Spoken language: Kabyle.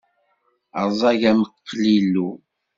Rẓag am qlilu.